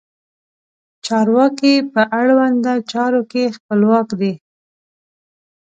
چارواکي په اړونده چارو کې خپلواک دي.